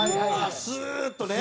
スーッとね。